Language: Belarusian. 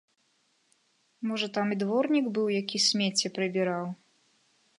Можа, там і дворнік быў, які смецце прыбіраў?